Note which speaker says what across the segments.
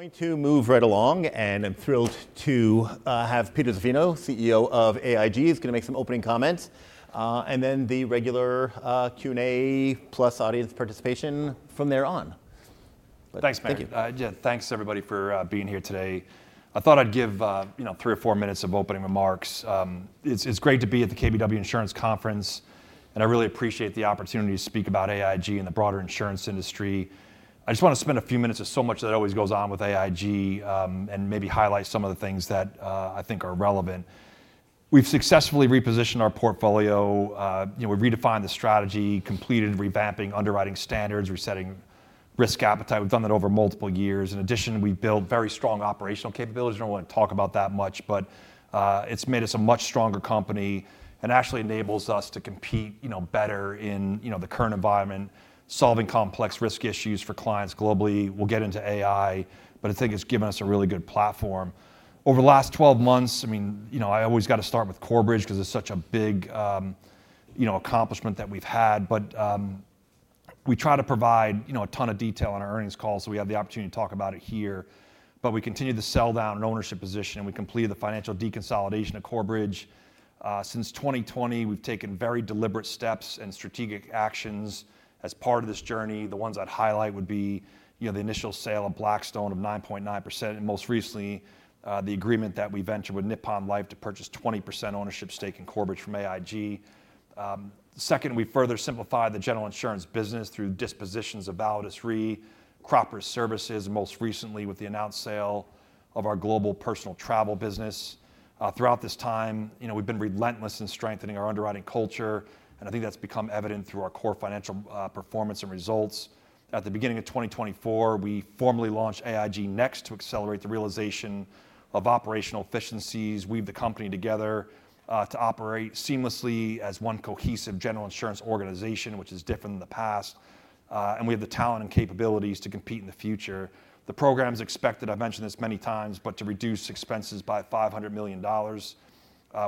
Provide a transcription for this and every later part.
Speaker 1: Going to move right along, and I'm thrilled to have Peter Zaffino, CEO of AIG. He's gonna make some opening comments, and then the regular Q&A, plus audience participation from there on.
Speaker 2: Thanks, Meyer.
Speaker 1: Thank you.
Speaker 2: Yeah, thanks, everybody, for being here today. I thought I'd give, you know, three or four minutes of opening remarks. It's great to be at the KBW Insurance Conference, and I really appreciate the opportunity to speak about AIG and the broader insurance industry. I just wanna spend a few minutes of so much that always goes on with AIG, and maybe highlight some of the things that I think are relevant. We've successfully repositioned our portfolio, you know, we've redefined the strategy, completed revamping underwriting standards, resetting risk appetite. We've done that over multiple years. In addition, we've built very strong operational capabilities. I don't want to talk about that much, but it's made us a much stronger company and actually enables us to compete, you know, better in, you know, the current environment, solving complex risk issues for clients globally. We'll get into AI, but I think it's given us a really good platform. Over the last twelve months, I mean, you know, I always got to start with Corebridge 'cause it's such a big, you know, accomplishment that we've had, but we try to provide, you know, a ton of detail on our earnings call, so we have the opportunity to talk about it here, but we continue to sell down an ownership position, and we completed the financial deconsolidation of Corebridge. Since 2020, we've taken very deliberate steps and strategic actions as part of this journey. The ones I'd highlight would be, you know, the initial sale of Blackstone of 9.9%, and most recently, the agreement that we ventured with Nippon Life to purchase 20% ownership stake in Corebridge from AIG. Second, we further simplified the General Insurance business through dispositions of Validus Re, Crop Risk Services, most recently with the announced sale of our global personal travel business. Throughout this time, you know, we've been relentless in strengthening our underwriting culture, and I think that's become evident through our core financial performance and results. At the beginning of 2024, we formally launched AIG Next to accelerate the realization of operational efficiencies, weave the company together to operate seamlessly as one cohesive General Insurance organization, which is different than the past and we have the talent and capabilities to compete in the future. The program is expected, I've mentioned this many times, but to reduce expenses by $500 million.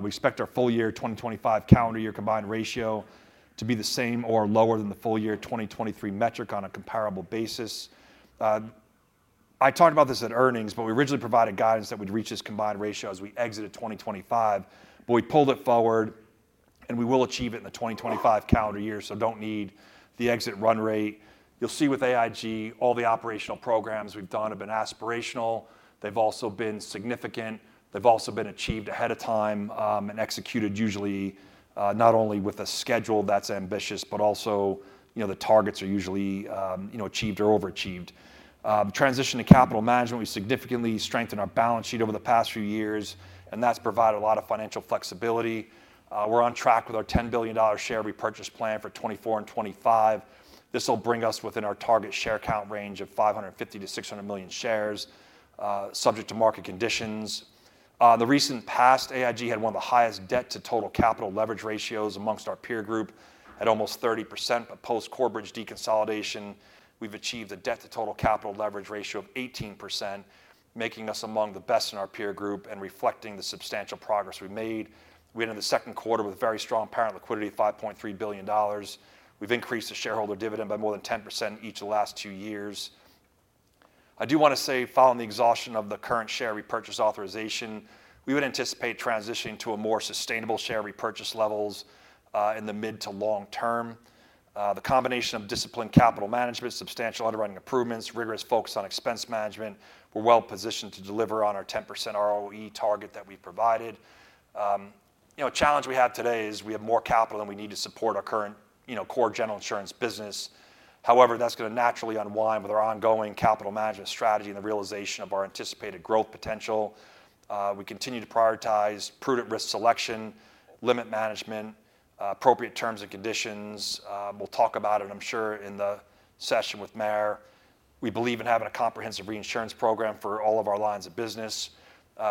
Speaker 2: We expect our full year 2025 calendar year combined ratio to be the same or lower than the full year 2023 metric on a comparable basis. I talked about this at earnings, but we originally provided guidance that we'd reach this combined ratio as we exited 2025, but we pulled it forward, and we will achieve it in the 2025 calendar year, so don't need the exit run rate. You'll see with AIG, all the operational programs we've done have been aspirational. They've also been significant, they've also been achieved ahead of time, and executed usually, not only with a schedule that's ambitious, but also, you know, the targets are usually, you know, achieved or overachieved. Transition to capital management, we significantly strengthened our balance sheet over the past few years, and that's provided a lot of financial flexibility. We're on track with our $10 billion share repurchase plan for 2024 and 2025. This will bring us within our target share count range of 550-600 million shares, subject to market conditions. In the recent past, AIG had one of the highest debt to total capital leverage ratios among our peer group at almost 30%, but post-Corebridge deconsolidation, we've achieved a debt to total capital leverage ratio of 18%, making us among the best in our peer group and reflecting the substantial progress we made. We ended the second quarter with very strong parent liquidity, $5.3 billion. We've increased the shareholder dividend by more than 10% each of the last two years. I do wanna say, following the exhaustion of the current share repurchase authorization, we would anticipate transitioning to a more sustainable share repurchase levels in the mid to long term. The combination of disciplined capital management, substantial underwriting improvements, rigorous focus on expense management, we're well positioned to deliver on our 10% ROE target that we provided. You know, a challenge we have today is we have more capital than we need to support our current, you know, core General Insurance business. However, that's gonna naturally unwind with our ongoing capital management strategy and the realization of our anticipated growth potential. We continue to prioritize prudent risk selection, limit management, appropriate terms and conditions. We'll talk about it, I'm sure, in the session with Meyer. We believe in having a comprehensive reinsurance program for all of our lines of business.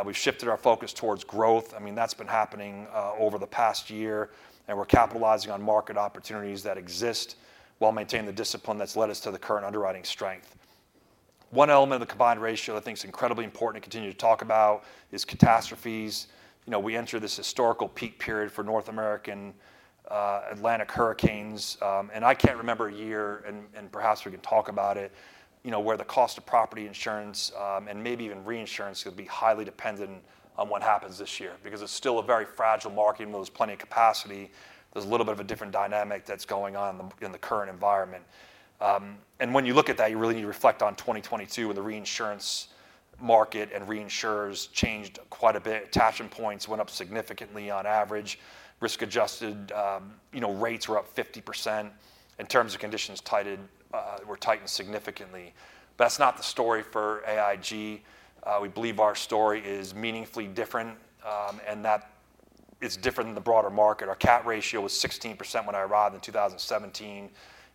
Speaker 2: We've shifted our focus towards growth. I mean, that's been happening over the past year, and we're capitalizing on market opportunities that exist while maintaining the discipline that's led us to the current underwriting strength. One element of the combined ratio I think is incredibly important to continue to talk about is catastrophes. You know, we enter this historical peak period for North American Atlantic hurricanes, and I can't remember a year, perhaps we can talk about it, you know, where the cost of property insurance and maybe even reinsurance would be highly dependent on what happens this year. Because it's still a very fragile market, and there's plenty of capacity. There's a little bit of a different dynamic that's going on in the current environment. And when you look at that, you really need to reflect on 2022, when the reinsurance market and reinsurers changed quite a bit. Attachment points went up significantly on average. Risk-adjusted, you know, rates were up 50%, and terms and conditions tightened significantly. That's not the story for AIG. We believe our story is meaningfully different, and that it's different than the broader market. Our cat ratio was 16% when I arrived in 2017.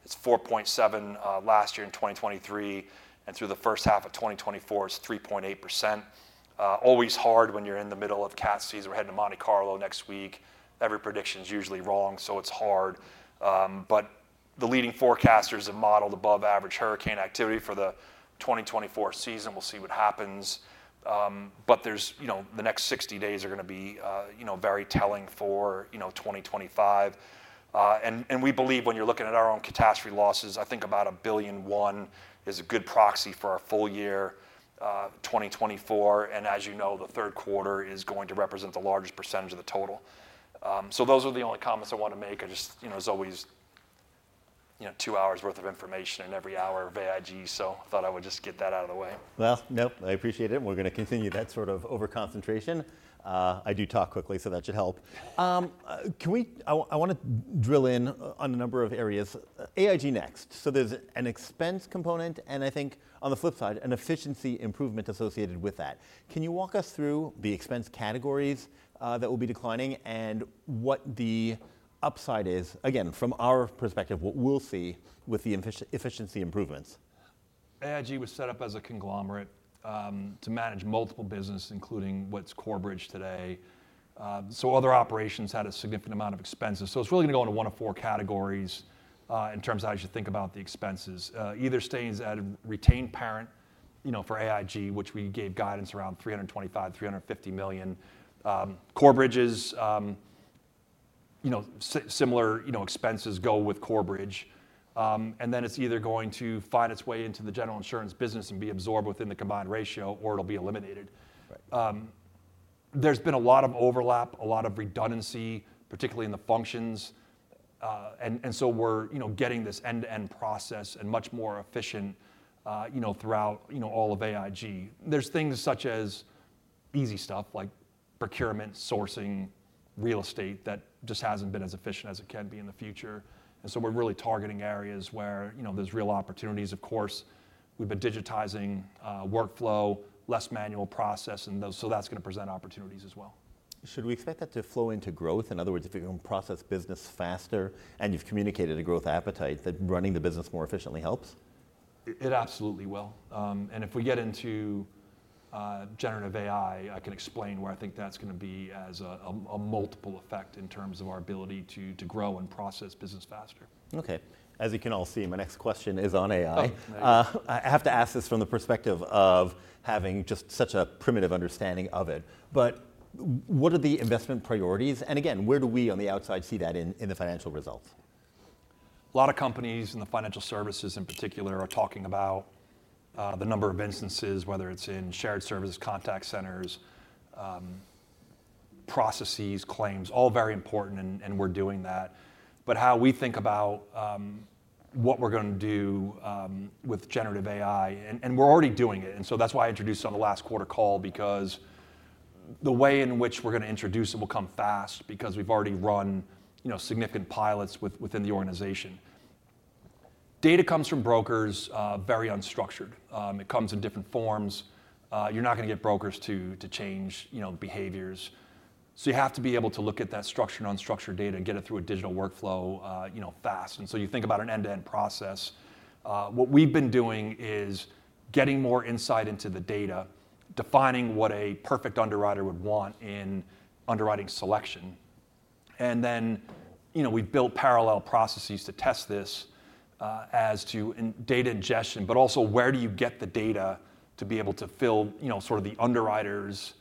Speaker 2: It's 4.7% last year in 2023, and through the first half of 2024, it's 3.8%. Always hard when you're in the middle of cat season. We're heading to Monte Carlo next week. Every prediction's usually wrong, so it's hard. The leading forecasters have modeled above average hurricane activity for the 2024 season. We'll see what happens, but there's, you know, the next 60 days are gonna be, you know, very telling for, you know, 2025, and we believe when you're looking at our own catastrophe losses, I think about $1.1 billion is a good proxy for our full year 2024, and as you know, the third quarter is going to represent the largest percentage of the total, so those are the only comments I want to make. I just, you know, as always, you know, two hours' worth of information in every hour of AIG, so I thought I would just get that out of the way.
Speaker 1: Nope, I appreciate it, and we're gonna continue that sort of over concentration. I do talk quickly, so that should help. Can we drill in on a number of areas, AIG Next. So there's an expense component, and I think on the flip side, an efficiency improvement associated with that. Can you walk us through the expense categories that will be declining, and what the upside is? Again, from our perspective, what we'll see with the efficiency improvements.
Speaker 2: AIG was set up as a conglomerate, to manage multiple business, including what's Corebridge today. So other operations had a significant amount of expenses, so it's really gonna go into one of four categories, in terms of how you should think about the expenses. Either stays at a retained parent, you know, for AIG, which we gave guidance around $325million -$350 million. Corebridge's you know, similar, you know, expenses go with Corebridge. And then it's either going to find its way into the General Insurance business and be absorbed within the combined ratio, or it'll be eliminated.
Speaker 1: Right.
Speaker 2: There's been a lot of overlap, a lot of redundancy, particularly in the functions. And so we're getting this end-to-end process and much more efficient, you know, throughout all of AIG. There's things such as easy stuff like procurement, sourcing, real estate, that just hasn't been as efficient as it can be in the future, and so we're really targeting areas where, you know, there's real opportunities. Of course, we've been digitizing workflow, less manual process, and those, so that's gonna present opportunities as well.
Speaker 1: Should we expect that to flow into growth? In other words, if you can process business faster and you've communicated a growth appetite, that running the business more efficiently helps?
Speaker 2: It absolutely will, and if we get into generative AI, I can explain where I think that's gonna be as a multiple effect in terms of our ability to grow and process business faster.
Speaker 1: Okay. As you can all see, my next question is on AI.
Speaker 2: Oh, nice.
Speaker 1: I have to ask this from the perspective of having just such a primitive understanding of it, but what are the investment priorities? And again, where do we, on the outside, see that in the financial results?
Speaker 2: A lot of companies in the financial services, in particular, are talking about the number of instances, whether it's in shared services, contact centers, processes, claims, all very important, and we're doing that, but how we think about what we're gonna do with generative AI, and we're already doing it, and so that's why I introduced it on the last quarter call because the way in which we're gonna introduce it will come fast because we've already run, you know, significant pilots within the organization. Data comes from brokers, very unstructured. It comes in different forms. You're not gonna get brokers to change, you know, behaviors, so you have to be able to look at that structured and unstructured data and get it through a digital workflow, you know, fast, and so you think about an end-to-end process. What we've been doing is getting more insight into the data, defining what a perfect underwriter would want in underwriting selection, and then, you know, we've built parallel processes to test this, as to in data ingestion. But also, where do you get the data to be able to fill, you know, sort of the underwriter's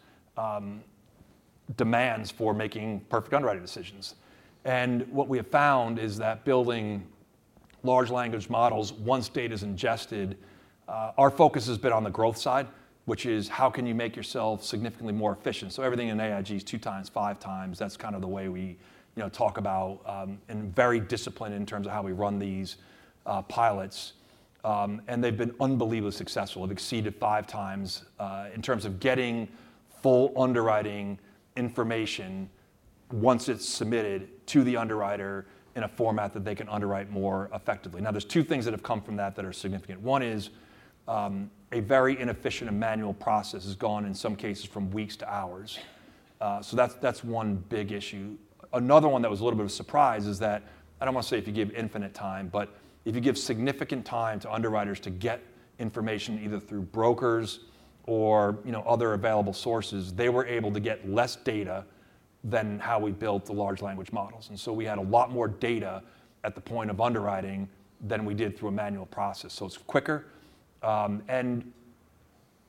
Speaker 2: demands for making perfect underwriter decisions? And what we have found is that building large language models, once data is ingested, our focus has been on the growth side, which is: How can you make yourself significantly more efficient? So everything in AIG is two times, five times, that's kind of the way we, you know, talk about, and very disciplined in terms of how we run these pilots. And they've been unbelievably successful. We've exceeded five times in terms of getting full underwriting information once it's submitted to the underwriter in a format that they can underwrite more effectively. Now, there's two things that have come from that that are significant. One is a very inefficient and manual process has gone, in some cases, from weeks to hours. So that's one big issue. Another one that was a little bit of a surprise is that I don't wanna say if you give infinite time, but if you give significant time to underwriters to get information, either through brokers or, you know, other available sources, they were able to get less data than how we built the large language models, and so we had a lot more data at the point of underwriting than we did through a manual process. So it's quicker. And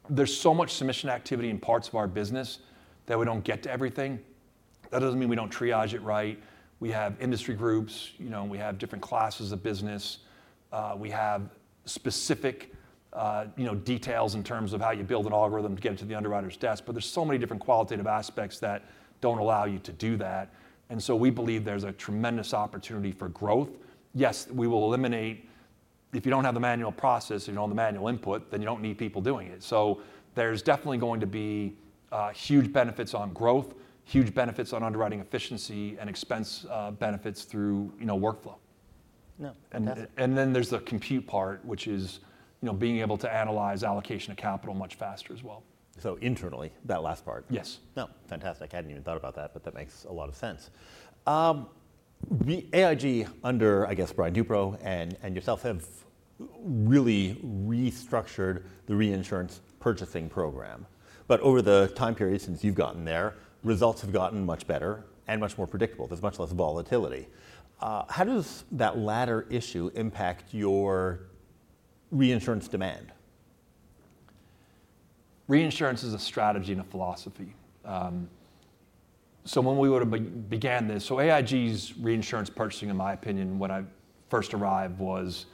Speaker 2: there's so much submission activity in parts of our business that we don't get to everything. That doesn't mean we don't triage it right. We have industry groups, you know, we have different classes of business. We have specific, you know, details in terms of how you build an algorithm to get it to the underwriter's desk, but there's so many different qualitative aspects that don't allow you to do that, and so we believe there's a tremendous opportunity for growth. Yes, we will eliminate. If you don't have the manual process, you know, the manual input, then you don't need people doing it. So there's definitely going to be huge benefits on growth, huge benefits on underwriting efficiency and expense, benefits through, you know, workflow.
Speaker 1: No, fantastic.
Speaker 2: And then there's the compute part, which is, you know, being able to analyze allocation of capital much faster as well.
Speaker 1: So internally, that last part?
Speaker 2: Yes.
Speaker 1: No, fantastic. I hadn't even thought about that, but that makes a lot of sense. AIG, under, I guess, Brian Duperreault and, and yourself, have really restructured the reinsurance purchasing program. But over the time period since you've gotten there, results have gotten much better and much more predictable. There's much less volatility. How does that latter issue impact your reinsurance demand?
Speaker 2: Reinsurance is a strategy and a philosophy. So when we began this, AIG's reinsurance purchasing, in my opinion, when I first arrived, was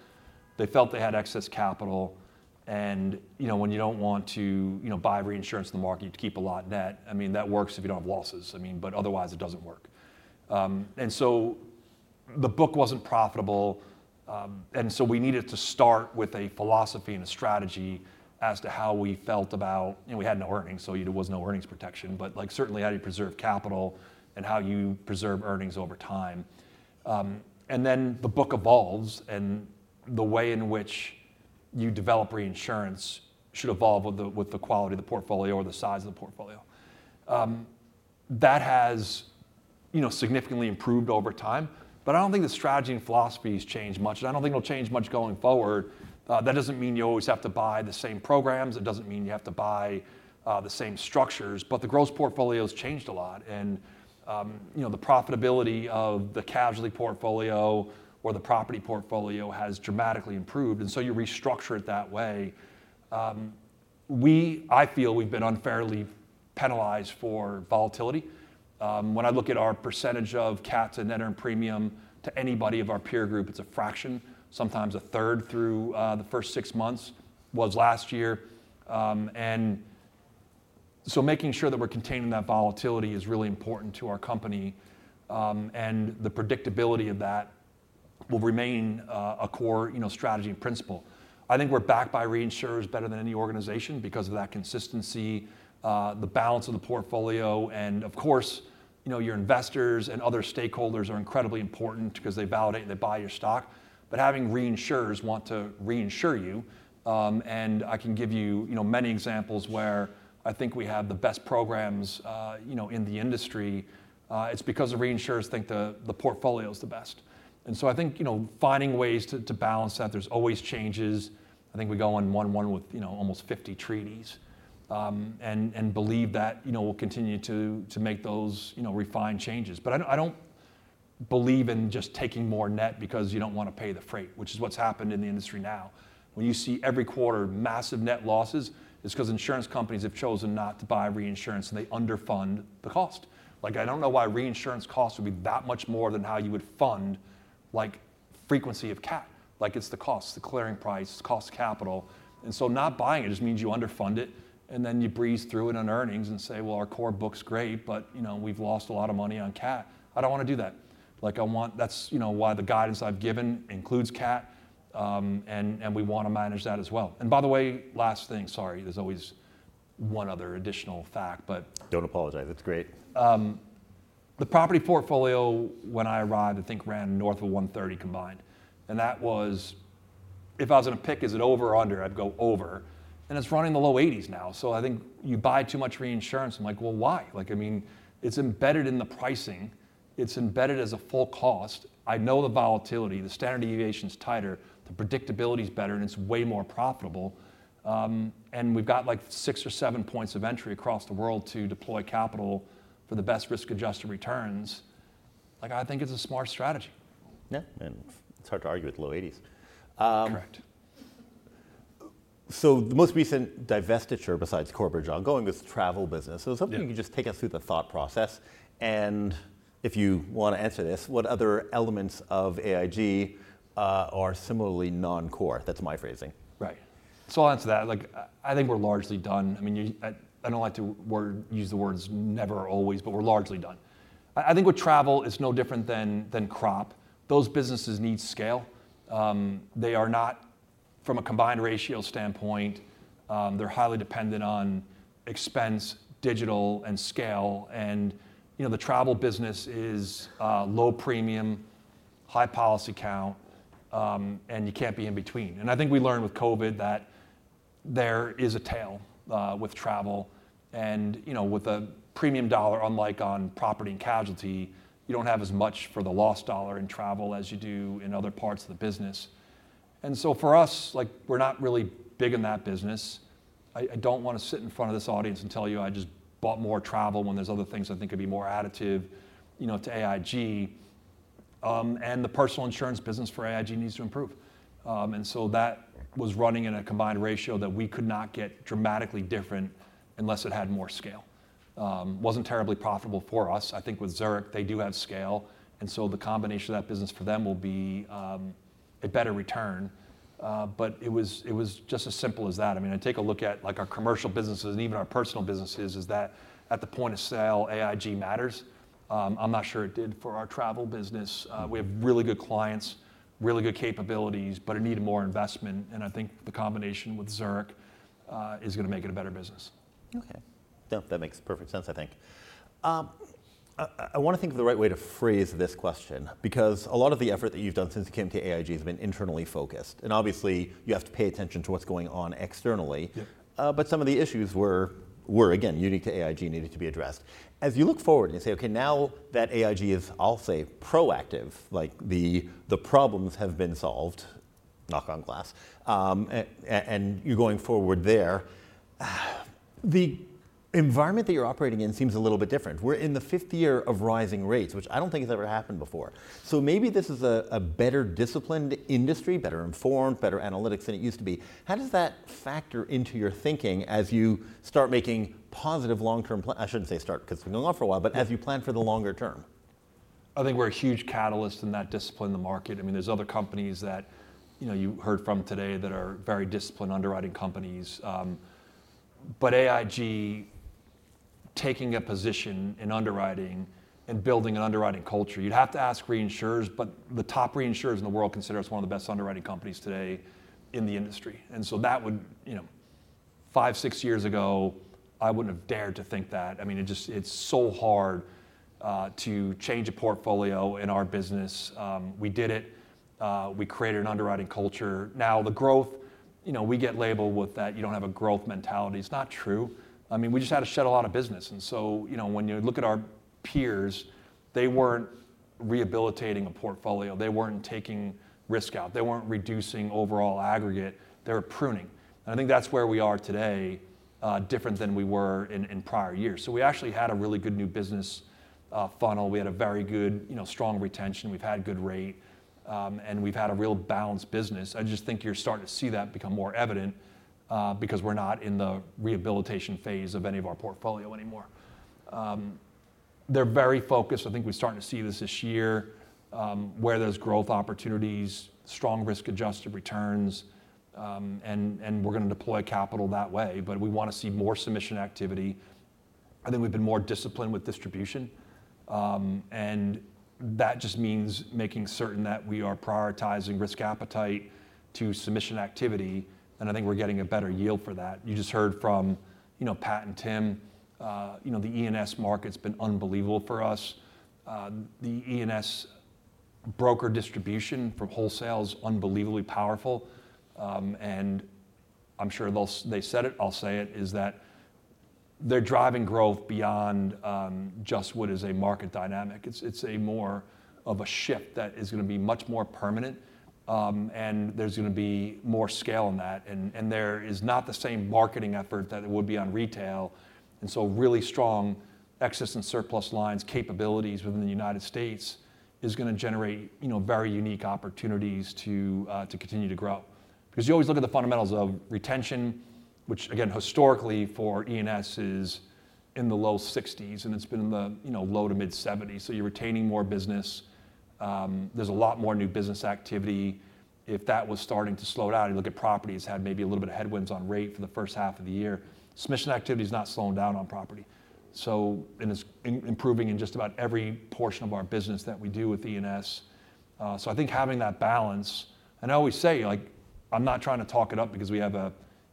Speaker 2: they felt they had excess capital, and, you know, when you don't want to, you know, buy reinsurance in the market, you keep a lot in debt. I mean, that works if you don't have losses, I mean, but otherwise, it doesn't work. And so the book wasn't profitable. And so we needed to start with a philosophy and a strategy as to how we felt about, you know, we had no earnings, so there was no earnings protection. But like, certainly, how do you preserve capital and how you preserve earnings over time? And then the book evolves, and the way in which you develop reinsurance should evolve with the quality of the portfolio or the size of the portfolio. That has, you know, significantly improved over time, but I don't think the strategy and philosophy has changed much, and I don't think it'll change much going forward. That doesn't mean you always have to buy the same programs. It doesn't mean you have to buy the same structures, but the gross portfolio's changed a lot, and you know, the profitability of the casualty portfolio or the property portfolio has dramatically improved, and so you restructure it that way. I feel we've been unfairly penalized for volatility. When I look at our percentage of CATs and net earned premium to anybody of our peer group, it's a fraction, sometimes a third through the first six months was last year. And so making sure that we're containing that volatility is really important to our company, and the predictability of that will remain a core, you know, strategy and principle. I think we're backed by reinsurers better than any organization because of that consistency, the balance of the portfolio, and of course, you know, your investors and other stakeholders are incredibly important because they validate and they buy your stock. But having reinsurers want to reinsure you, and I can give you, you know, many examples where I think we have the best programs, you know, in the industry. It's because the reinsurers think the, the portfolio is the best. And so I think, you know, finding ways to balance that, there's always changes. I think we go on one with, you know, almost fifty treaties, and believe that, you know, we'll continue to make those, you know, refined changes. But I don't believe in just taking more net because you don't want to pay the freight, which is what's happened in the industry now. When you see every quarter massive net losses, it's 'cause insurance companies have chosen not to buy reinsurance, and they underfund the cost. Like, I don't know why reinsurance costs would be that much more than how you would fund, like, frequency of CAT. Like, it's the cost, the clearing price, it's cost capital, and so not buying it just means you underfund it, and then you breeze through it on earnings and say, "Well, our core book's great, but, you know, we've lost a lot of money on CAT." I don't want to do that. Like, I want. That's, you know, why the guidance I've given includes CAT, and, and we want to manage that as well. And by the way, last thing, sorry, there's always one other additional fact, but-
Speaker 1: Don't apologize. It's great.
Speaker 2: The property portfolio, when I arrived, I think ran north of 130 combined, and that was... If I was going to pick, is it over or under? I'd go over, and it's running in the low 80s now. So I think you buy too much reinsurance. I'm like, "Well, why?" Like, I mean, it's embedded in the pricing, it's embedded as a full cost. I know the volatility, the standard deviation is tighter, the predictability is better, and it's way more profitable. And we've got, like, six or seven points of entry across the world to deploy capital for the best risk-adjusted returns. Like, I think it's a smart strategy.
Speaker 1: Yeah, and it's hard to argue with low eighties.
Speaker 2: Correct.
Speaker 1: So the most recent divestiture, besides Corebridge, going this travel business.
Speaker 2: Yeah.
Speaker 1: So something you can just take us through the thought process, and if you want to answer this, what other elements of AIG are similarly non-core? That's my phrasing.
Speaker 2: Right. So I'll answer that. Like, I think we're largely done. I mean, I don't like to use the words never or always, but we're largely done. I think with travel, it's no different than crop. Those businesses need scale. They are not from a combined ratio standpoint. They're highly dependent on expense, digital, and scale. And you know, the travel business is low premium, high policy count, and you can't be in between. And I think we learned with COVID that there is a tail with travel, and you know, with a premium dollar, unlike on property and casualty, you don't have as much for the lost dollar in travel as you do in other parts of the business. And so for us, like, we're not really big in that business. I don't want to sit in front of this audience and tell you I just bought more travel when there's other things I think could be more additive, you know, to AIG. The Personal Insurance business for AIG needs to improve, and so that was running in a combined ratio that we could not get dramatically different unless it had more scale. Wasn't terribly profitable for us. I think with Zurich, they do have scale, and so the combination of that business for them will be a better return, but it was just as simple as that. I mean, I take a look at, like, our commercial businesses and even our personal businesses, is that at the point-of-sale, AIG matters. I'm not sure it did for our travel business. We have really good clients, really good capabilities, but it needed more investment, and I think the combination with Zurich is gonna make it a better business.
Speaker 1: Okay. Yeah, that makes perfect sense, I think. I want to think of the right way to phrase this question because a lot of the effort that you've done since you came to AIG has been internally focused, and obviously, you have to pay attention to what's going on externally.
Speaker 2: Yeah.
Speaker 1: But some of the issues were, again, unique to AIG, needed to be addressed. As you look forward and say, "Okay, now that AIG is, I'll say, proactive," the problems have been solved, knock on glass. And you're going forward there. The environment that you're operating in seems a little bit different. We're in the fifth year of rising rates, which I don't think has ever happened before. So maybe this is a better disciplined industry, better informed, better analytics than it used to be. How does that factor into your thinking as you start making positive long-term – I shouldn't say start, 'cause it's been going on for a while, but as you plan for the longer term?
Speaker 2: I think we're a huge catalyst in that discipline in the market. I mean, there's other companies that, you know, you heard from today that are very disciplined underwriting companies. But AIG, taking a position in underwriting and building an underwriting culture, you'd have to ask reinsurers, but the top reinsurers in the world consider us one of the best underwriting companies today in the industry. And so that would, you know, five, six years ago, I wouldn't have dared to think that. I mean, it just, it's so hard to change a portfolio in our business. We did it. We created an underwriting culture. Now, the growth, you know, we get labeled with that, "You don't have a growth mentality." It's not true. I mean, we just had to shed a lot of business, and so, you know, when you look at our peers, they weren't rehabilitating a portfolio, they weren't taking risk out, they weren't reducing overall aggregate, they were pruning, and I think that's where we are today, different than we were in prior years, so we actually had a really good new business funnel. We had a very good, you know, strong retention, we've had good rate, and we've had a real balanced business. I just think you're starting to see that become more evident, because we're not in the rehabilitation phase of any of our portfolio anymore. They're very focused. I think we're starting to see this, this year, where there's growth opportunities, strong risk-adjusted returns, and we're gonna deploy capital that way, but we want to see more submission activity. I think we've been more disciplined with distribution. And that just means making certain that we are prioritizing risk appetite to submission activity, and I think we're getting a better yield for that. You just heard from, you know, Pat and Tim, you know, the E&S market's been unbelievable for us. The E&S broker distribution from wholesale is unbelievably powerful, and I'm sure they'll. They said it, I'll say it, is that they're driving growth beyond, just what is a market dynamic. It's a more of a shift that is gonna be much more permanent, and there's gonna be more scale in that, and there is not the same marketing effort that it would be on retail, and so really strong excess and surplus lines capabilities within the United States is gonna generate, you know, very unique opportunities to to continue to grow. Because you always look at the fundamentals of retention, which again, historically, for E&S is in the low 60s%, and it's been in the, you know, low to mid-70s%, so you're retaining more business. There's a lot more new business activity. If that was starting to slow down, you look at properties had maybe a little bit of headwinds on rate for the first half of the year. Submission activity is not slowing down on property, so, and it's improving in just about every portion of our business that we do with E&S. So I think having that balance, and I always say, like, I'm not trying to talk it up because we have an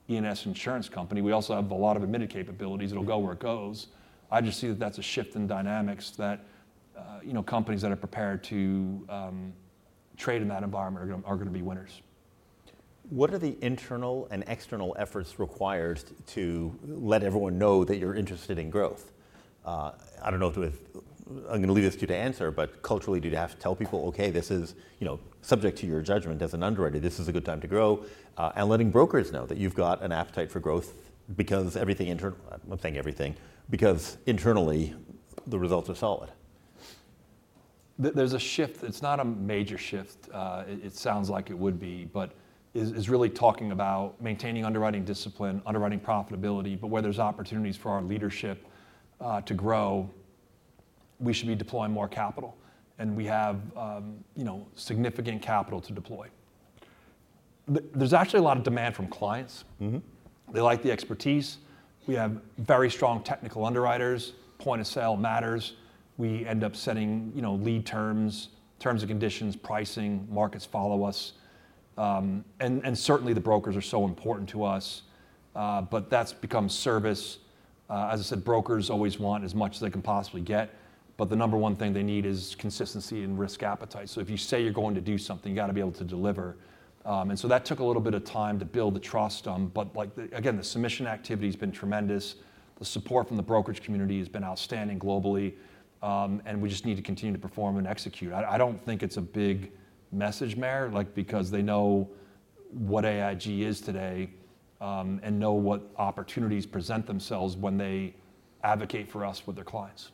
Speaker 2: E&S insurance company, we also have a lot of admitted capabilities, it'll go where it goes. I just see that that's a shift in dynamics that, you know, companies that are prepared to trade in that environment are gonna be winners.
Speaker 1: What are the internal and external efforts required to let everyone know that you're interested in growth? I don't know. I'm gonna leave this to you to answer, but culturally, do you have to tell people, "Okay, this is, you know, subject to your judgment as an underwriter, this is a good time to grow," and letting brokers know that you've got an appetite for growth because internally, the results are solid?
Speaker 2: There's a shift, it's not a major shift. It sounds like it would be, but is really talking about maintaining underwriting discipline, underwriting profitability, but where there's opportunities for our leadership to grow, we should be deploying more capital, and we have, you know, significant capital to deploy. There's actually a lot of demand from clients.
Speaker 1: Mm-hmm.
Speaker 2: They like the expertise. We have very strong technical underwriters, point-of-sale matters. We end up setting, you know, lead terms, terms and conditions, pricing. Markets follow us, and certainly the brokers are so important to us, but that's become service. As I said, brokers always want as much as they can possibly get, but the number one thing they need is consistency and risk appetite, so if you say you're going to do something, you gotta be able to deliver, and so that took a little bit of time to build the trust, but like the, again, the submission activity has been tremendous, the support from the brokerage community has been outstanding globally, and we just need to continue to perform and execute. I don't think it's a big message, Meyer, like, because they know what AIG is today, and know what opportunities present themselves when they advocate for us with their clients.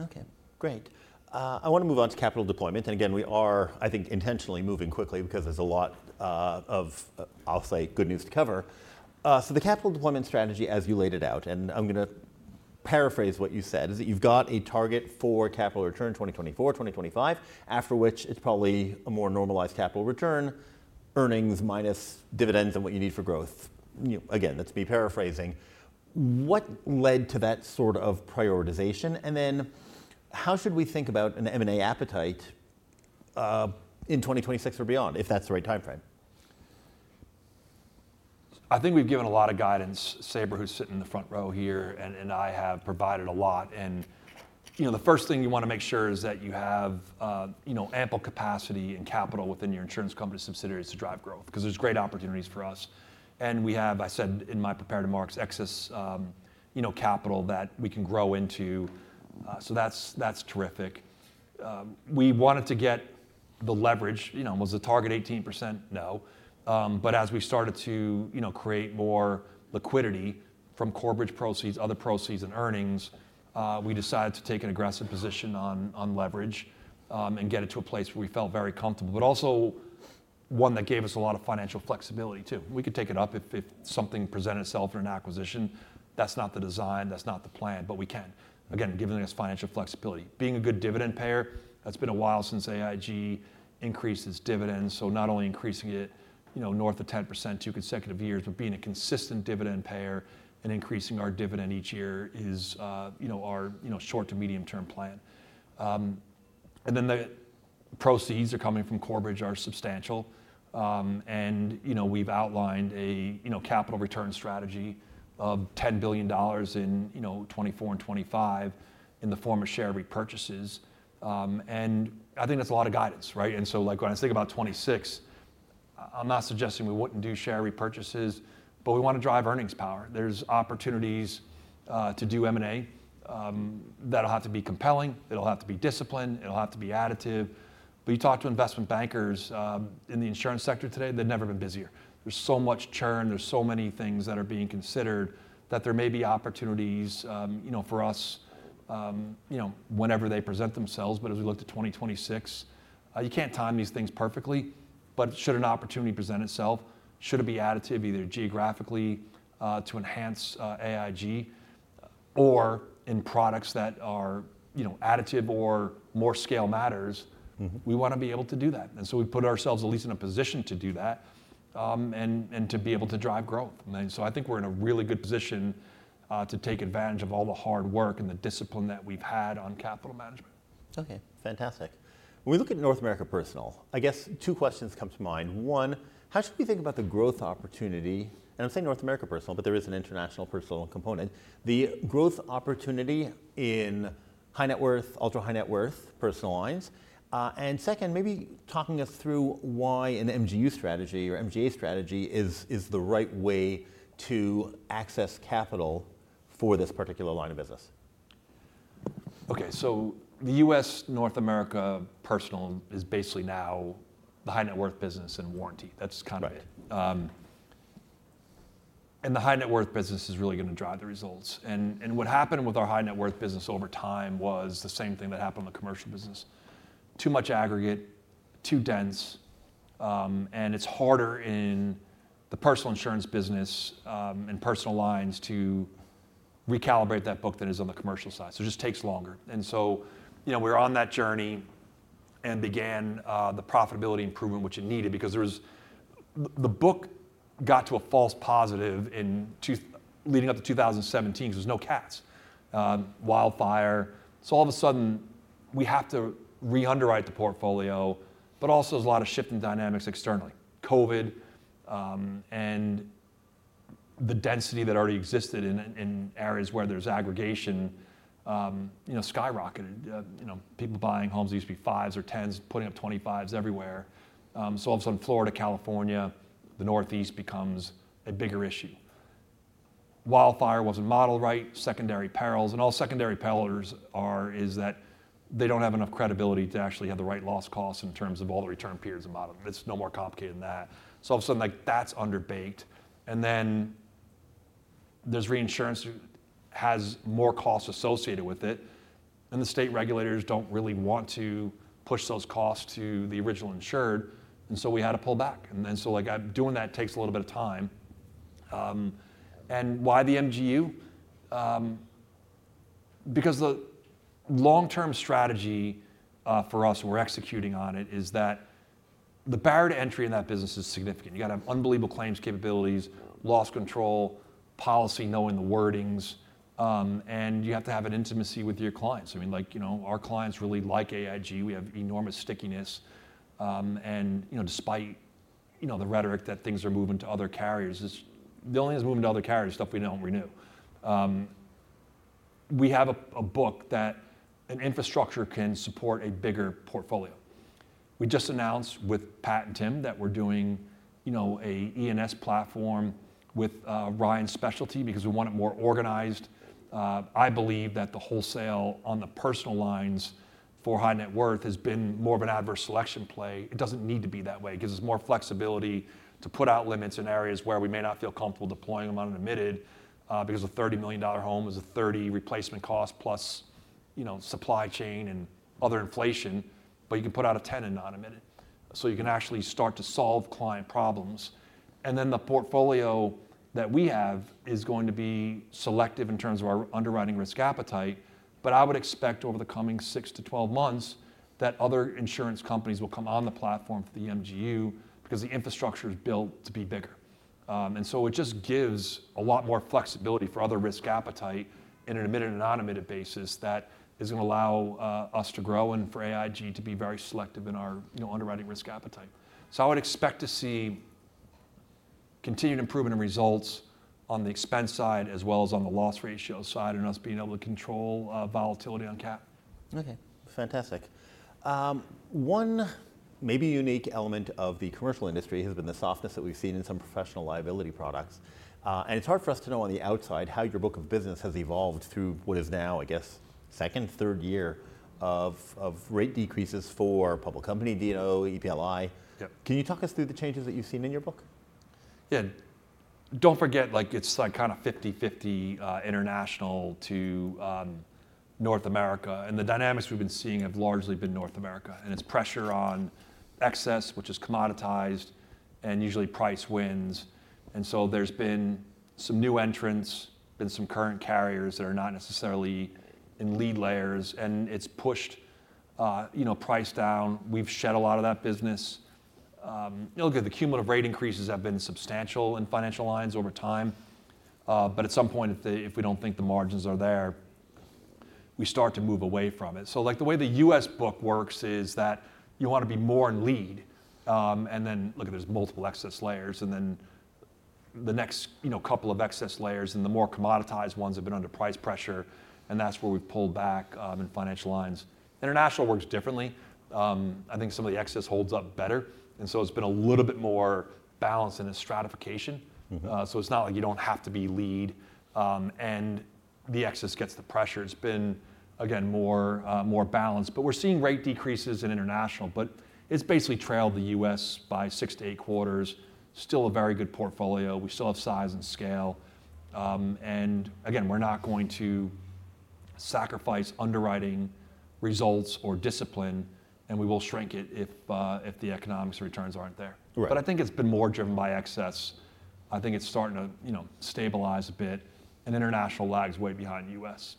Speaker 1: Okay, great. I want to move on to capital deployment, and again, we are, I think, intentionally moving quickly because there's a lot of, I'll say, good news to cover. So the capital deployment strategy, as you laid it out, and I'm gonna paraphrase what you said, is that you've got a target for capital return in 2024, 2025, after which it's probably a more normalized capital return, earnings minus dividends, and what you need for growth. You know, again, that's me paraphrasing. What led to that sort of prioritization, and then how should we think about an M&A appetite in 2026 or beyond, if that's the right timeframe?
Speaker 2: I think we've given a lot of guidance. Sabra, who's sitting in the front row here, and I have provided a lot, and, you know, the first thing you want to make sure is that you have, you know, ample capacity and capital within your insurance company subsidiaries to drive growth because there's great opportunities for us. And we have, I said in my prepared remarks, excess, you know, capital that we can grow into, so that's, that's terrific. We wanted to get the leverage, you know, was the target 18%? No. But as we started to, you know, create more liquidity from Corebridge proceeds, other proceeds, and earnings, we decided to take an aggressive position on, on leverage, and get it to a place where we felt very comfortable, but also one that gave us a lot of financial flexibility, too. We could take it up if something presented itself or an acquisition. That's not the design, that's not the plan, but we can. Again, giving us financial flexibility. Being a good dividend payer, that's been a while since AIG increased its dividends, so not only increasing it, you know, north of 10%, two consecutive years, but being a consistent dividend payer and increasing our dividend each year is, you know, our, you know, short to medium-term plan. And then the proceeds are coming from Corebridge are substantial. And, you know, we've outlined a, you know, capital return strategy of $10 billion in, you know, 2024 and 2025 in the form of share repurchases. And I think that's a lot of guidance, right? And so, like, when I think about 2026, I'm not suggesting we wouldn't do share repurchases, but we want to drive earnings power. There's opportunities to do M&A. That'll have to be compelling, it'll have to be disciplined, it'll have to be additive. But you talk to investment bankers in the insurance sector today, they've never been busier. There's so much churn, there's so many things that are being considered, that there may be opportunities, you know, for us, you know, whenever they present themselves. But as we look to 2026, you can't time these things perfectly, but should an opportunity present itself, should it be additive, either geographically, to enhance AIG, or in products that are, you know, additive or more scale matters-
Speaker 1: Mm-hmm.
Speaker 2: -we wanna be able to do that. And so we've put ourselves at least in a position to do that, and to be able to drive growth. And then, so I think we're in a really good position, to take advantage of all the hard work and the discipline that we've had on capital management.
Speaker 1: Okay, fantastic. When we look at North America Personal, I guess two questions come to mind. One, how should we think about the growth opportunity? And I'm saying North America Personal, but there is an international personal component. The growth opportunity in high net worth, ultra high net worth, personal lines. And second, maybe talking us through why an MGU strategy or MGA strategy is the right way to access capital for this particular line of business.
Speaker 2: Okay, so the U.S., North America Personal is basically now the high net worth business and warranty. That's kind of it.
Speaker 1: Right.
Speaker 2: And the high net worth business is really gonna drive the results. And what happened with our high net worth business over time was the same thing that happened in the commercial business. Too much aggregate, too dense, and it's harder in the Personal Insurance business and personal lines to recalibrate that book than it is on the commercial side, so it just takes longer. And so, you know, we're on that journey and began the profitability improvement, which it needed because the book got to a false positive leading up to 2017, because there was no CATs, wildfire. So all of a sudden, we have to re-underwrite the portfolio, but also there's a lot of shifting dynamics externally. COVID, and the density that already existed in areas where there's aggregation, you know, skyrocketed. You know, people buying homes used to be fives or tens, putting up 25s everywhere, so all of a sudden, Florida, California, the Northeast becomes a bigger issue. Wildfire wasn't modeled right, secondary perils, and all secondary perils are is that they don't have enough credibility to actually have the right loss costs in terms of all the return periods and model. It's no more complicated than that. So all of a sudden, like, that's underbaked, and then there's reinsurance, which has more costs associated with it, and the state regulators don't really want to push those costs to the original insured, and so we had to pull back, and then, so, like, doing that takes a little bit of time, and why the MGU? Because the long-term strategy, for us, and we're executing on it, is that the barrier to entry in that business is significant. You gotta have unbelievable claims, capabilities, loss control, policy, knowing the wordings, and you have to have an intimacy with your clients. I mean, like, you know, our clients really like AIG. We have enormous stickiness. And, you know, despite, you know, the rhetoric that things are moving to other carriers, is the only thing that's moving to other carriers, stuff we know and renew. We have a book that our infrastructure can support a bigger portfolio. We just announced with Pat and Tim that we're doing, you know, a E&S platform with Ryan Specialty because we want it more organized. I believe that the wholesale on the personal lines for high net worth has been more of an adverse selection play. It doesn't need to be that way. It gives us more flexibility to put out limits in areas where we may not feel comfortable deploying them on an admitted, because a $30 million home is a $30 million replacement cost, plus, you know, supply chain and other inflation, but you can put out a $10 million in non-admitted. So you can actually start to solve client problems. And then the portfolio that we have is going to be selective in terms of our underwriting risk appetite, but I would expect over the coming 6 to 12 months, that other insurance companies will come on the platform for the MGU because the infrastructure is built to be bigger. And so it just gives a lot more flexibility for other risk appetite in an admitted and non-admitted basis that is gonna allow us to grow and for AIG to be very selective in our, you know, underwriting risk appetite. So I would expect to see continued improvement in results on the expense side, as well as on the loss ratio side, and us being able to control volatility on CAP.
Speaker 1: Okay, fantastic. One maybe unique element of the commercial industry has been the softness that we've seen in some professional liability products, and it's hard for us to know on the outside how your book of business has evolved through what is now, I guess, second, third year of rate decreases for public company, D&O, EPLI.
Speaker 2: Yep.
Speaker 1: Can you talk us through the changes that you've seen in your book? ...
Speaker 2: Yeah, don't forget, like, it's like kind of 50/50 international to North America, and the dynamics we've been seeing have largely been North America, and it's pressure on excess, which is commoditized, and usually price wins. And so there's been some new entrants, been some current carriers that are not necessarily in lead layers, and it's pushed, you know, price down. We've shed a lot of that business. Look, the cumulative rate increases have been substantial in Financial Lines over time. But at some point, if we don't think the margins are there, we start to move away from it. So, like, the way the U.S. book works is that you want to be more in lead. And then, look, there's multiple excess layers, and then the next, you know, couple of excess layers, and the more commoditized ones have been under price pressure, and that's where we've pulled back in Financial Lines. International works differently. I think some of the excess holds up better, and so it's been a little bit more balanced in its stratification.
Speaker 1: Mm-hmm.
Speaker 2: So it's not like you don't have to be lead, and the excess gets the pressure. It's been, again, more balanced, but we're seeing rate decreases in international, but it's basically trailed the U.S. by six to eight quarters. Still a very good portfolio. We still have size and scale. And again, we're not going to sacrifice underwriting results or discipline, and we will shrink it if the economic returns aren't there.
Speaker 1: Right.
Speaker 2: But I think it's been more driven by excess. I think it's starting to, you know, stabilize a bit, and international lags way behind the U.S.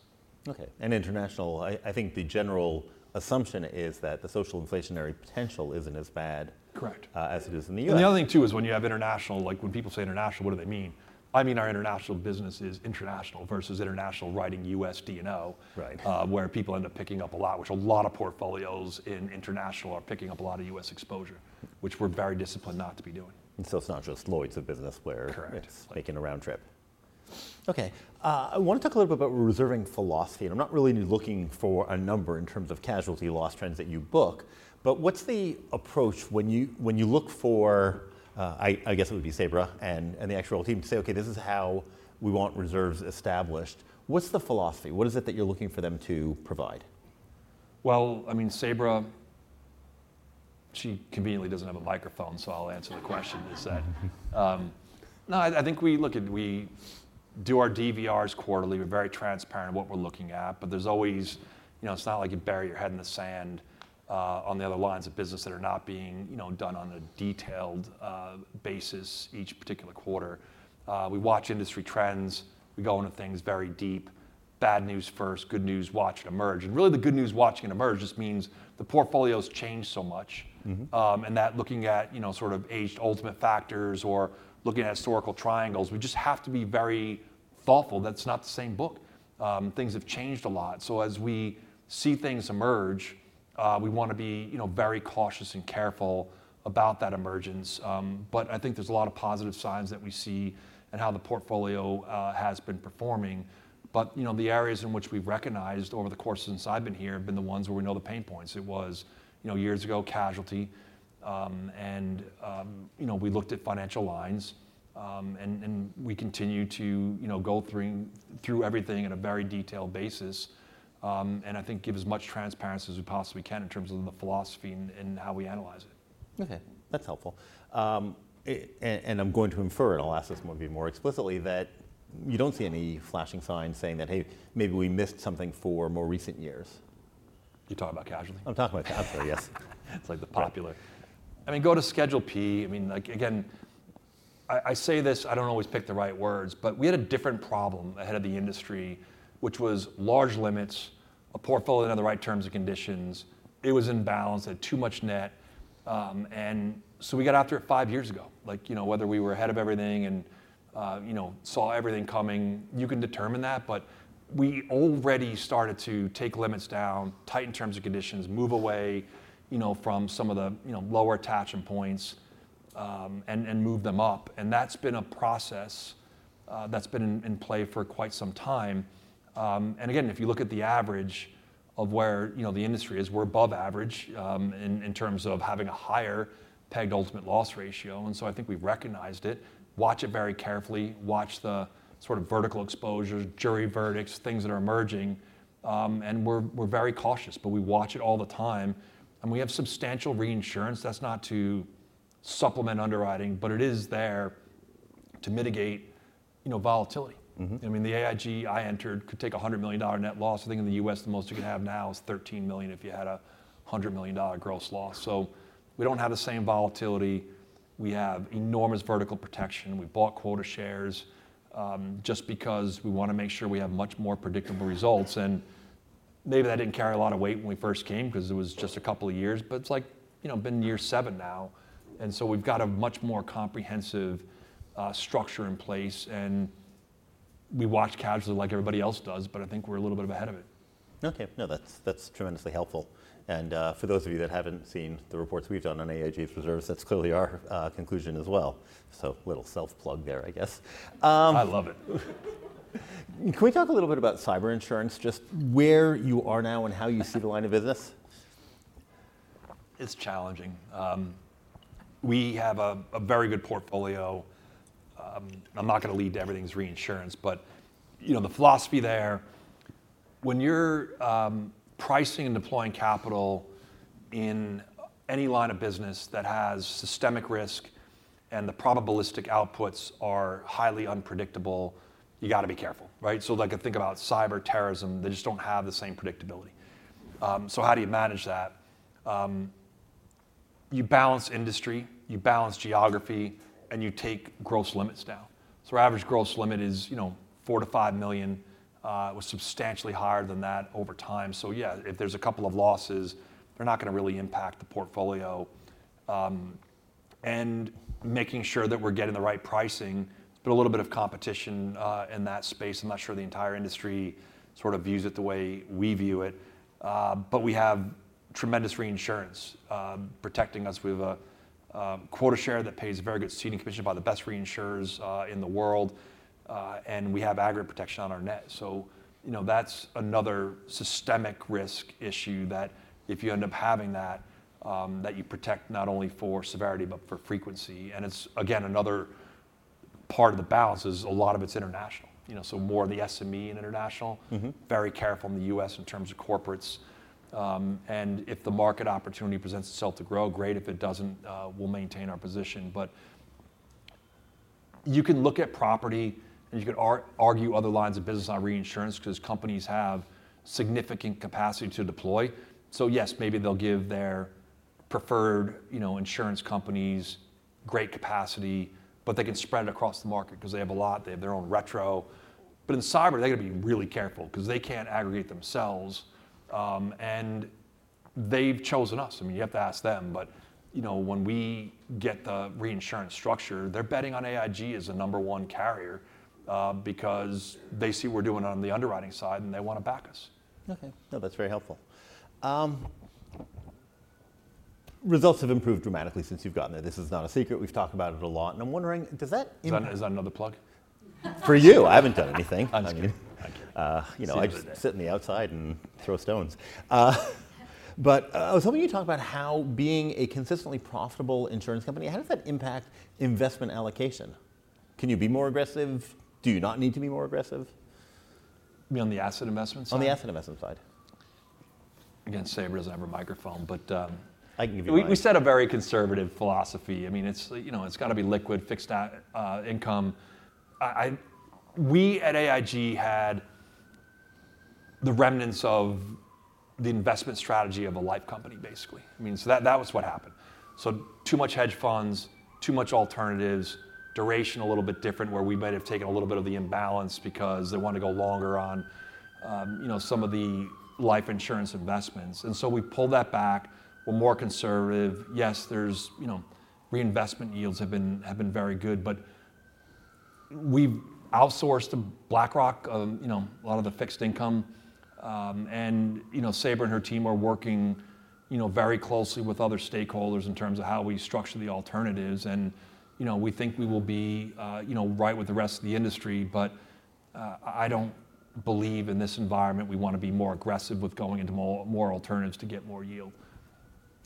Speaker 1: Okay, and international, I think the general assumption is that the social inflationary potential isn't as bad-
Speaker 2: Correct...
Speaker 1: as it is in the U.S.
Speaker 2: And the other thing, too, is when you have international, like, when people say international, what do they mean? I mean, our international business is international versus international writing U.S. D&O-
Speaker 1: Right....
Speaker 2: where people end up picking up a lot, which a lot of portfolios in international are picking up a lot of U.S. exposure, which we're very disciplined not to be doing.
Speaker 1: And so it's not just Lloyd's business where-
Speaker 2: Correct...
Speaker 1: it's making a round trip. Okay, I want to talk a little bit about reserving philosophy, and I'm not really looking for a number in terms of casualty loss trends that you book, but what's the approach when you look for, I guess it would be Sabra and the actual team to say, "Okay, this is how we want reserves established." What's the philosophy? What is it that you're looking for them to provide?
Speaker 2: Well, I mean, Sabra, she conveniently doesn't have a microphone, so I'll answer the question. She said-- No, I think we look at, we do our DVRs quarterly. We're very transparent what we're looking at, but there's always, you know, it's not like you bury your head in the sand on the other lines of business that are not being, you know, done on a detailed basis each particular quarter. We watch industry trends, we go into things very deep, bad news first, good news, watch it emerge. Really, the good news, watching it emerge just means the portfolio's changed so much.
Speaker 1: Mm-hmm.
Speaker 2: And that looking at, you know, sort of aged ultimate factors or looking at historical triangles, we just have to be very thoughtful. That's not the same book. Things have changed a lot, so as we see things emerge, we want to be, you know, very cautious and careful about that emergence. But I think there's a lot of positive signs that we see in how the portfolio has been performing. But, you know, the areas in which we've recognized over the course since I've been here have been the ones where we know the pain points. It was, you know, years ago, casualty, and, you know, we looked at Financial Lines. And we continue to, you know, go through everything in a very detailed basis. And I think give as much transparency as we possibly can in terms of the philosophy and how we analyze it.
Speaker 1: Okay, that's helpful. And I'm going to infer, and I'll ask this maybe more explicitly, that you don't see any flashing signs saying that, "Hey, maybe we missed something for more recent years?
Speaker 2: You're talking about casualty?
Speaker 1: I'm talking about casualty, yes.
Speaker 2: It's, like, the popular. I mean, go to Schedule P. I mean, like, again, I say this, I don't always pick the right words, but we had a different problem ahead of the industry, which was large limits, a portfolio that had the right terms and conditions. It was in balance, it had too much net. And so we got after it five years ago, like, you know, whether we were ahead of everything and, you know, saw everything coming, you can determine that. But we already started to take limits down, tighten terms and conditions, move away, you know, from some of the, you know, lower attachment points, and move them up, and that's been a process, that's been in play for quite some time. And again, if you look at the average of where, you know, the industry is, we're above average in terms of having a higher pegged ultimate loss ratio, and so I think we've recognized it. Watch it very carefully, watch the sort of vertical exposures, jury verdicts, things that are emerging. And we're very cautious, but we watch it all the time, and we have substantial reinsurance. That's not to supplement underwriting, but it is there to mitigate, you know, volatility.
Speaker 1: Mm-hmm.
Speaker 2: I mean, the AIG I entered could take a $100 million net loss. I think in the U.S., the most you could have now is $13 million, if you had a $100 million gross loss, so we don't have the same volatility, we have enormous vertical protection. We bought quota shares just because we want to make sure we have much more predictable results, and maybe that didn't carry a lot of weight when we first came because it was just a couple of years, but it's like, you know, been year seven now, and so we've got a much more comprehensive structure in place, and we watch casualty like everybody else does, but I think we're a little bit ahead of it.
Speaker 1: Okay. No, that's, that's tremendously helpful. And, for those of you that haven't seen the reports we've done on AIG's reserves, that's clearly our conclusion as well. So a little self plug there, I guess.
Speaker 2: I love it.
Speaker 1: Can we talk a little bit about cyber insurance, just where you are now and how you see the line of business?
Speaker 2: It's challenging. We have a very good portfolio. I'm not going to lead to everything's reinsurance, but, you know, the philosophy there, when you're pricing and deploying capital in any line of business that has systemic risk, and the probabilistic outputs are highly unpredictable, you gotta be careful, right? So like if think about cyber terrorism, they just don't have the same predictability. So how do you manage that? You balance industry, you balance geography, and you take gross limits down. So our average gross limit is, you know, $4 million-$5 million, was substantially higher than that over time. So yeah, if there's a couple of losses, they're not gonna really impact the portfolio. And making sure that we're getting the right pricing, put a little bit of competition, in that space. I'm not sure the entire industry sort of views it the way we view it. But we have tremendous reinsurance protecting us. We've a quota share that pays very good ceding commission by the best reinsurers in the world, and we have aggregate protection on our net. So, you know, that's another systemic risk issue that if you end up having that, that you protect not only for severity, but for frequency, and it's again, another part of the balance is a lot of it's international. You know, so more of the SME and international.
Speaker 1: Mm-hmm.
Speaker 2: Very careful in the U.S. in terms of corporates. And if the market opportunity presents itself to grow, great, if it doesn't, we'll maintain our position. But you can look at property, and you could argue other lines of business on reinsurance 'cause companies have significant capacity to deploy. So yes, maybe they'll give their preferred, you know, insurance companies great capacity, but they can spread it across the market 'cause they have a lot, they have their own retro. But in cyber, they've got to be really careful 'cause they can't aggregate themselves, and they've chosen us. I mean, you have to ask them, but, you know, when we get the reinsurance structure, they're betting on AIG as the number one carrier, because they see we're doing on the underwriting side, and they want to back us.
Speaker 1: Okay. No, that's very helpful. Results have improved dramatically since you've gotten there. This is not a secret. We've talked about it a lot, and I'm wondering, does that-
Speaker 2: Is that, is that another plug?
Speaker 1: For you, I haven't done anything.
Speaker 2: I'm just kidding. Thank you.
Speaker 1: You know-
Speaker 2: I see you there....
Speaker 1: I just sit in the outside and throw stones. But I was hoping you talk about how being a consistently profitable insurance company, how does that impact investment allocation? Can you be more aggressive? Do you not need to be more aggressive?
Speaker 2: You mean, on the asset investment side?
Speaker 1: On the asset investment side.
Speaker 2: Again, Sabra doesn't have her microphone, but,
Speaker 1: I can give you mine.
Speaker 2: We set a very conservative philosophy. I mean, it's, you know, it's gotta be liquid, fixed income. We at AIG had the remnants of the investment strategy of a life company, basically. I mean, so that was what happened. So too much hedge funds, too much alternatives, duration a little bit different, where we might have taken a little bit of the imbalance because they want to go longer on, you know, some of the life insurance investments, and so we pulled that back. We're more conservative. Yes, there's, you know, reinvestment yields have been very good, but we've outsourced to BlackRock, you know, a lot of the fixed income. And, you know, Sabra and her team are working, you know, very closely with other stakeholders in terms of how we structure the alternatives, and, you know, we think we will be, you know, right with the rest of the industry. But, I don't believe in this environment, we want to be more aggressive with going into more alternatives to get more yield.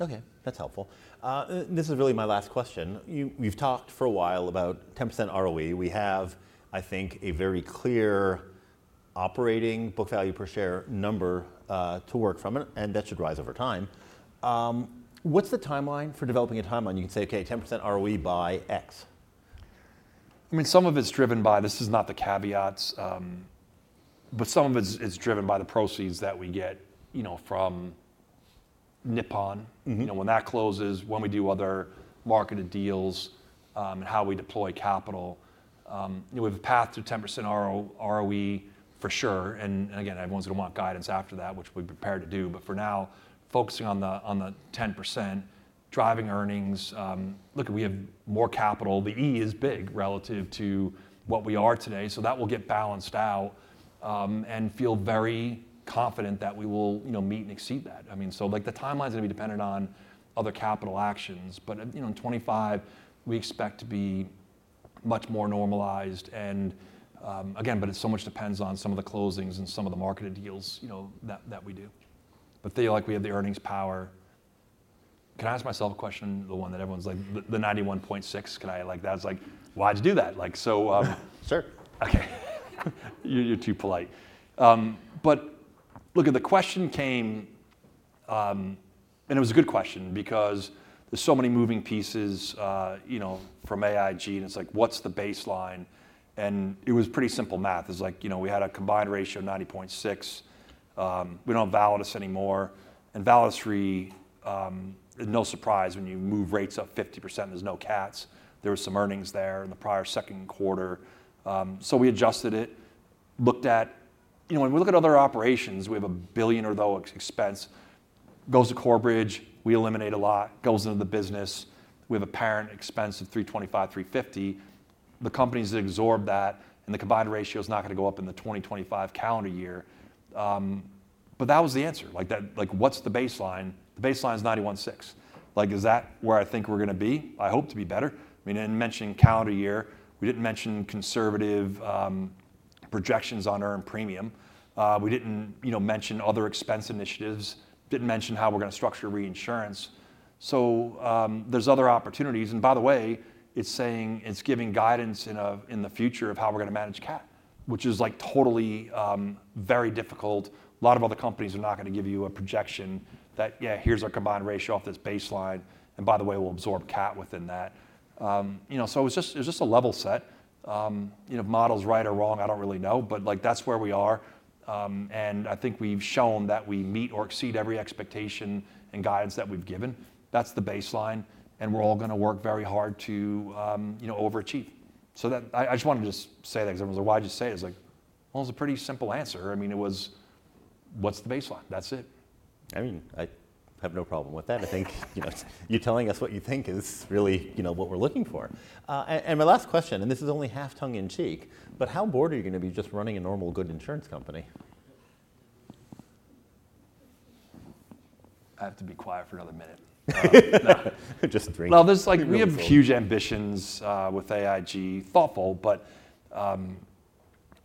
Speaker 1: Okay, that's helpful. And this is really my last question. You've talked for a while about 10% ROE. We have, I think, a very clear operating book value per share number to work from, and that should rise over time. What's the timeline for developing a timeline? You can say, "Okay, 10% ROE by X.
Speaker 2: I mean, some of it's driven by this is not the caveats, but some of it is driven by the proceeds that we get, you know, from Nippon.
Speaker 1: Mm-hmm.
Speaker 2: You know, when that closes, when we do other marketed deals, and how we deploy capital, we have a path to 10% ROE, for sure, and, and again, everyone's gonna want guidance after that, which we're prepared to do. But for now, focusing on the, on the 10% driving earnings. Look, we have more capital. The E is big relative to what we are today, so that will get balanced out. And feel very confident that we will, you know, meet and exceed that. I mean, so, like, the timeline's gonna be dependent on other capital actions, but, you know, in 2025, we expect to be much more normalized. And, again, but it so much depends on some of the closings and some of the marketed deals, you know, that, that we do. But feel like we have the earnings power. Can I ask myself a question? The one that everyone's like, "The 91.6, can I..." Like, that's like, "Why'd you do that?" Like, so,
Speaker 1: Sure.
Speaker 2: Okay. You, you're too polite. But look, the question came, and it was a good question because there's so many moving pieces, you know, from AIG, and it's like, what's the baseline? And it was pretty simple math. It's like, you know, we had a combined ratio of 90.6%. We don't have Validus anymore. And Validus Re, no surprise when you move rates up 50%, there's no CATs. There were some earnings there in the prior second quarter. So we adjusted it, looked at. You know, when we look at other operations, we have a $1 billion or so expense. Goes to Corebridge, we eliminate a lot, goes into the business. We have a parent expense of $325 million-$350 million. The companies that absorb that and the combined ratio is not gonna go up in the 2025 calendar year. But that was the answer. Like, that, like, what's the baseline? The baseline is 91.6. Like, is that where I think we're gonna be? I hope to be better. I mean, I didn't mention calendar year, we didn't mention conservative projections on earned premium. We didn't, you know, mention other expense initiatives, didn't mention how we're gonna structure reinsurance. So, there's other opportunities, and by the way, it's saying it's giving guidance in a, in the future of how we're gonna manage cat, which is like totally very difficult. A lot of other companies are not going to give you a projection that, "Yeah, here's our combined ratio off this baseline, and by the way, we'll absorb cat within that." You know, so it's just a level set. You know, models right or wrong, I don't really know, but like, that's where we are. I think we've shown that we meet or exceed every expectation and guidance that we've given. That's the baseline, and we're all going to work very hard to, you know, overachieve. I just wanted to just say that, because everyone was like: "Why'd you say it?" It's like, well, it's a pretty simple answer. I mean, it was, "What's the baseline?" That's it.
Speaker 1: I mean, I have no problem with that. I think, you know, you telling us what you think is really, you know, what we're looking for. And my last question, and this is only half tongue in cheek, but how bored are you going to be just running a normal, good insurance company?
Speaker 2: I have to be quiet for another minute.
Speaker 1: Just drink.
Speaker 2: There's like-
Speaker 1: Be really bold....
Speaker 2: we have huge ambitions with AIG. Thoughtful, but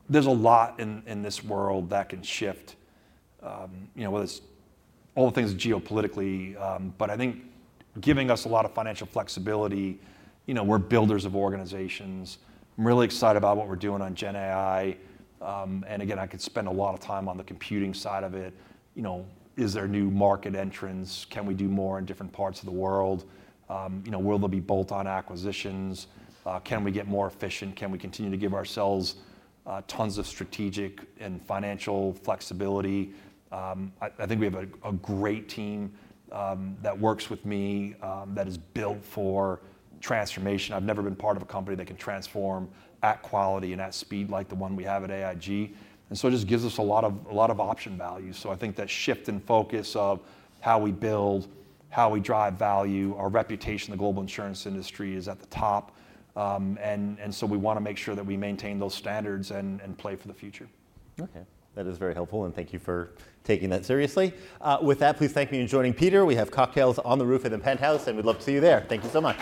Speaker 2: there's a lot in this world that can shift. You know, whether it's all the things geopolitically, but I think giving us a lot of financial flexibility, you know, we're builders of organizations. I'm really excited about what we're doing on Gen AI. And again, I could spend a lot of time on the computing side of it. You know, is there new market entrants? Can we do more in different parts of the world? You know, will there be bolt-on acquisitions? Can we get more efficient? Can we continue to give ourselves tons of strategic and financial flexibility? I think we have a great team that works with me that is built for transformation. I've never been part of a company that can transform at quality and at speed like the one we have at AIG, and so it just gives us a lot of, a lot of option value. So I think that shift in focus of how we build, how we drive value, our reputation in the global insurance industry is at the top. And so we want to make sure that we maintain those standards and play for the future.
Speaker 1: Okay, that is very helpful, and thank you for taking that seriously. With that, please join us in thanking Peter. We have cocktails on the roof in the penthouse, and we'd love to see you there. Thank you so much.